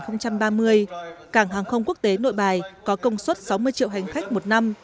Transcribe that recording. năm hai nghìn ba mươi cảng hàng không quốc tế nội bài có công suất sáu mươi triệu hành khách một năm